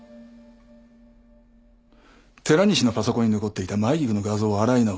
寺西のパソコンに残っていた舞菊の画像を洗い直す。